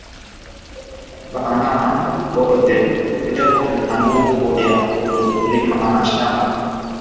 Ba mama bote beko na nguvu ya kurima mashamba mu kongo